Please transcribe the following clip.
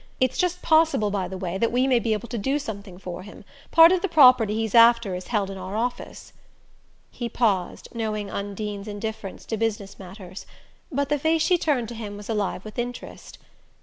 It's just possible, by the way, that we may be able to do something for him: part of the property he's after is held in our office." He paused, knowing Undine's indifference to business matters; but the face she turned to him was alive with interest.